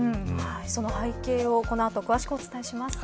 その背景をこの後、詳しくお伝えします。